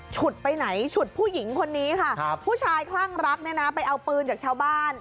ไปไหนฉุดผู้หญิงคนนี้ค่ะผู้ชายคลั่งรักเนี่ยนะไปเอาปืนจากชาวบ้าน